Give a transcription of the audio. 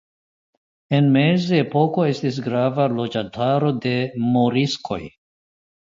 En Mezepoko estis grava loĝantaro de moriskoj.